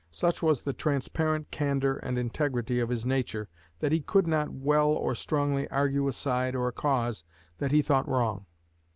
Such was the transparent candor and integrity of his nature that he could not well or strongly argue a side or a cause that he thought wrong.